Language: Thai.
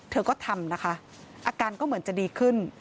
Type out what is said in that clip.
เธอก็ทำนะคะอาการก็เหมือนจะดีขึ้น